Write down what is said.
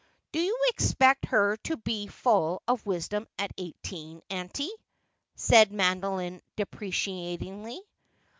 ' Do you expect her to be full of wisdom at eighteen, Auntie ?' asked Madeline deprecatingly.